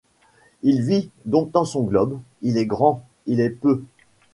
Il vit, domptant son globe ; il est grand, il est peu ;